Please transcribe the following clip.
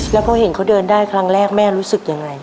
แล้วพอเห็นเขาเดินได้ครั้งแรกแม่รู้สึกยังไง